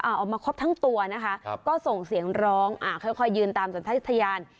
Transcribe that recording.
อ่าออกมาครบทั้งตัวนะคะครับก็ส่งเสียงร้องอ่าค่อยค่อยยืนตามสัญชาตยา